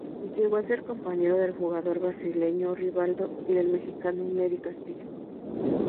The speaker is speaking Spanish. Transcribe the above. Llegó a ser compañero del jugador brasileño Rivaldo y del mexicano Nery Castillo.